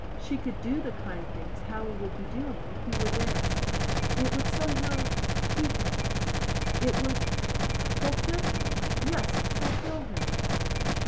She could do the kind things Howie would be doing if he were there! It would somehow keep him. It would fulfill him. Yes, fulfill him.